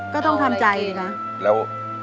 ก็ต้องทำใจสิคะ